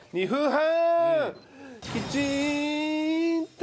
２分半！